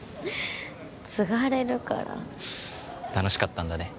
つがれるから楽しかったんだね